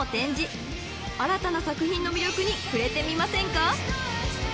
［新たな作品の魅力に触れてみませんか？］